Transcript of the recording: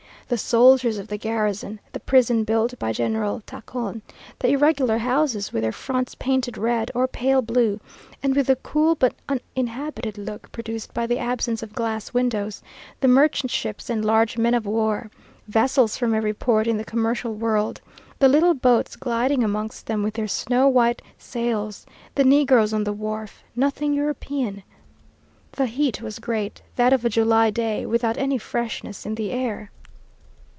The soldiers of the garrison, the prison built by General Tacon, the irregular houses with their fronts painted red or pale blue, and with the cool but uninhabited look produced by the absence of glass windows; the merchant ships and large men of war; vessels from every port in the commercial world, the little boats gliding amongst them with their snow white sails, the negroes on the wharf nothing European. The heat was great, that of a July day, without any freshness in the air.